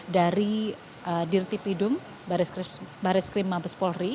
dari dirtipidum barat krim habis polri